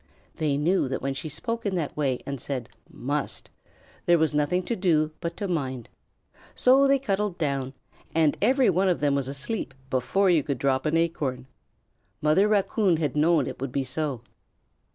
They knew that when she spoke in that way and said "must," there was nothing to do but to mind. So they cuddled down, and every one of them was asleep before you could drop an acorn. Mother Raccoon had known it would be so.